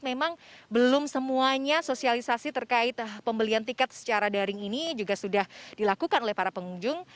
memang belum semuanya sosialisasi terkait pembelian tiket secara daring ini juga sudah dilakukan oleh para pengunjung